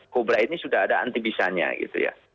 kobra ini sudah ada anti bisanya gitu ya